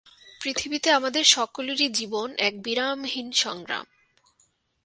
পৃথিবীতে আমাদের সকলেরই জীবন এক বিরামহীন সংগ্রাম।